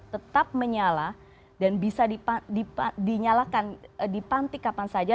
tetap menyala dan bisa dinyalakan dipantik kapan saja